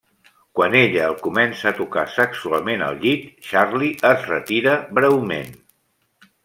Quan ella el comença a tocar sexualment al llit, Charlie es retira breument.